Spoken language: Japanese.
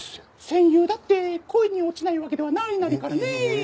戦友だって恋に落ちないわけではないナリからねえ。